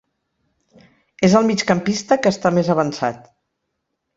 És el migcampista que està més avançat.